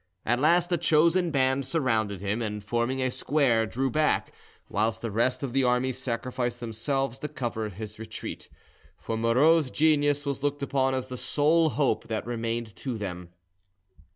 At last a chosen band surrounded him, and, forming a square, drew back, whilst the rest of the army sacrificed themselves to cover his retreat; for Moreau's genius was looked upon as the sole hope that remained to them.